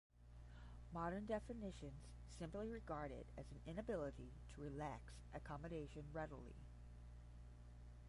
Modern definitions simply regard it as an inability to relax accommodation readily.